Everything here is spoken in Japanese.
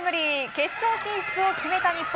決勝進出を決めた日本。